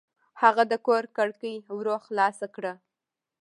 هغه د کور کړکۍ ورو خلاصه کړه.